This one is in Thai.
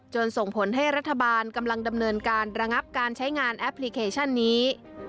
ส่งผลให้รัฐบาลกำลังดำเนินการระงับการใช้งานแอปพลิเคชันนี้